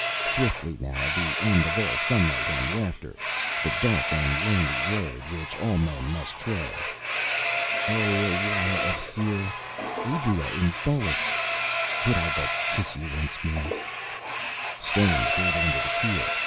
Swiftly, now, the end of all sunlight and laughter, the dark and lonely road which all men must tread. _O Ilwarra of Syr, Aedra in Tholis, could I but kiss you once more _ Stones grated under the keel.